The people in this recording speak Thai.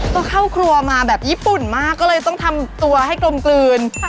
ต้องเข้าครัวมาแบบญี่ปุ่นมากก็เลยต้องทำตัวให้กลมกลืน